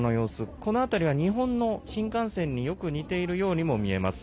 この辺りは日本の新幹線によく似ているようにも見えます。